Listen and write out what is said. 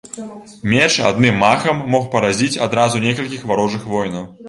Меч адным махам мог паразіць адразу некалькіх варожых воінаў.